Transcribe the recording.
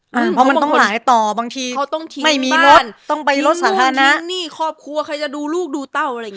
เพราะมันต้องหลายต่อบางทีไม่มีรถต้องไปรถสาธารณะมีลูกทิ้งหนี้ครอบครัวใครจะดูลูกดูเต้าอะไรอย่างเงี้ย